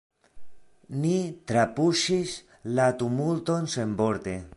Ni trapuŝis la tumulton senvorte.